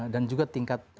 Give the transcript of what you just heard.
dan juga tingkat